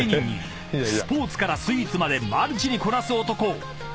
［スポーツからスイーツまでマルチにこなす男］